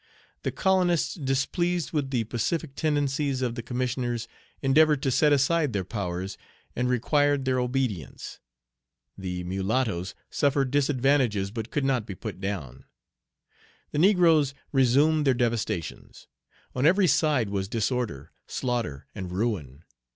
The colonists, displeased with the pacific tendencies of the commissioners, endeavored to set aside their powers, and required their obedience. The mulattoes suffered disadvantages, but could not be put down. The negroes resumed their devastations. On every side was disorder, slaughter, and ruin.